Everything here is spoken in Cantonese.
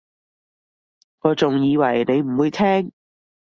我仲以為你唔會聽